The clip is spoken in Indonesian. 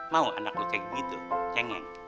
mau anak lu kayak gitu cengeng